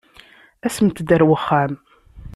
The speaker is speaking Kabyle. Asemt-d ar wexxam.